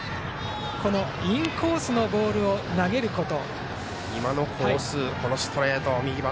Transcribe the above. インコースのボールを投げること。